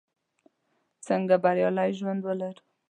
څنګه بریالی ژوند ولرو?